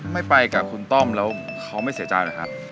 ไม่ไปกับคุณต้อมแล้วเขาไม่เสียใจหรือครับ